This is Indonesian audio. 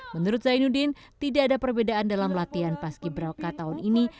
menurut zainuddin tidak ada perbedaan dalam latihan paski beraka tahun ini